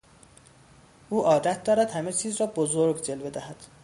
او عادت دارد همه چیز را بزرگ جلوه دهد.